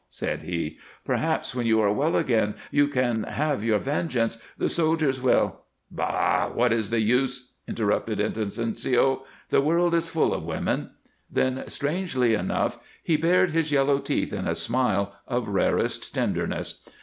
said he. "Perhaps when you are well again you can have your vengeance. The soldiers will " "Bah! What is the use?" interrupted Inocencio. "The world is full of women." Then, strangely enough, he bared his yellow teeth in a smile of rarest tenderness.